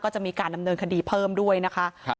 ก็จะมีการดำเนินคดีเพิ่มด้วยนะคะ